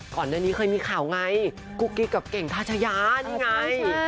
ก่อนหน้านี้เคยมีข่าวไงกุ๊กกิ๊กกับเก่งทาชยานี่ไง